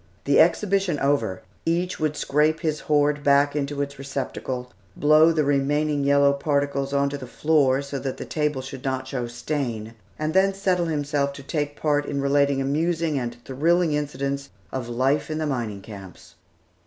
The exhibition over, each would scrape his hoard back into its receptacle, blow the remaining yellow particles on to the floor so that the table should not show stain, and then settle himself to take his part in relating amusing and thrilling incidents of life in the mining camps.